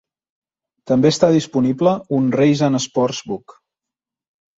També està disponible un Race and Sports Book.